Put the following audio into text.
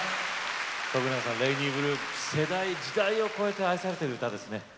徳永さん、「レイニーブルー」世代、時代を超えて愛される曲ですね。